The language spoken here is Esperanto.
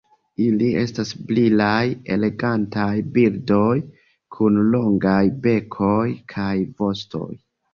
Ili estas brilaj elegantaj birdoj kun longaj bekoj kaj vostoj.